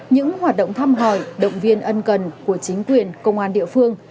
những hoạt động thăm hỏi động viên ân cần của chính quyền công an địa phương